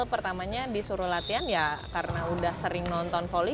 pertamanya disuruh latihan ya karena udah sering nonton volley